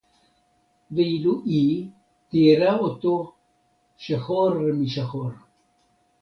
וְאֵילוּ הִיא תיארה אוֹתוֹ שֶחוֹר מִשָחוֹר.